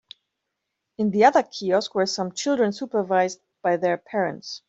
In the other kiosk were some children supervised by their parents.